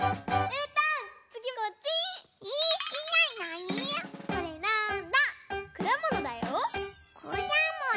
うん！